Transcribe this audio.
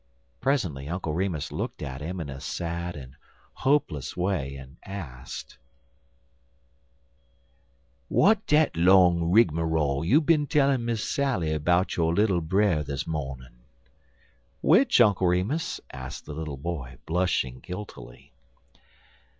Presently Uncle Remus looked at him in a sad and hopeless way and asked: "W'at dat long rigmarole you bin tellin' Miss Sally 'bout yo' little brer dis mawnin?" "Which, Uncle Remus?" asked the little boy, blushing guiltily.